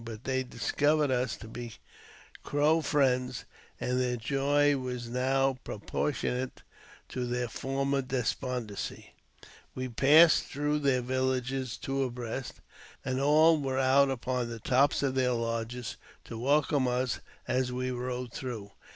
But they discovered us to be Crow friends, and their joy was now proportionate to their former despondency. We I JAMES P. BECKWOUBTH. 247 passed through their villages two abreast, and all were out upon the tops of their lodges to welcome us as we rode through.